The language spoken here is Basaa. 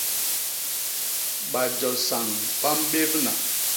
Bajo sañ ba mbébna.